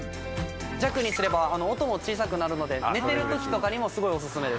弱にすれば音も小さくなるので寝てる時とかにもすごいおすすめです。